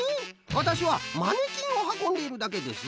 私はマネキンを運んでいるだけです。